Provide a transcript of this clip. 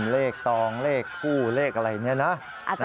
เลขตองเลขคู่เลขอะไรเนี่ยนะ